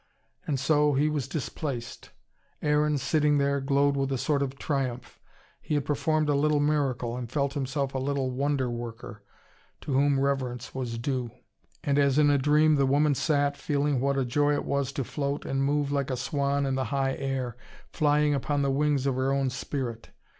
And so, he was displaced. Aaron, sitting there, glowed with a sort of triumph. He had performed a little miracle, and felt himself a little wonder worker, to whom reverence was due. And as in a dream the woman sat, feeling what a joy it was to float and move like a swan in the high air, flying upon the wings of her own spirit.